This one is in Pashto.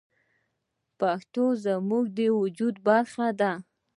پښتو زموږ د وجود برخه ده.